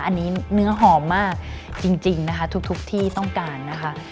อันนี้เนื้อหอมมากจริงนะคะทุกที่ต้องการนะคะ